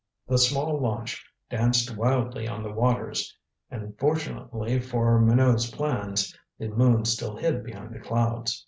The small launch danced wildly on the waters. And fortunately for Minot's plans the moon still hid behind the clouds.